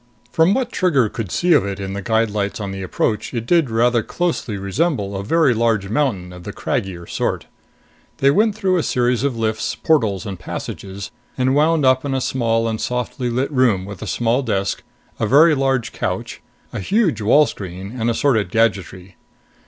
From what Trigger could see of it in the guide lights on the approach, it did rather closely resemble a very large mountain of the craggier sort. They went through a series of lifts, portals and passages, and wound up in a small and softly lit room with a small desk, a very large couch, a huge wall screen, and assorted gadgetry.